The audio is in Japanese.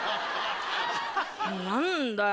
何だよ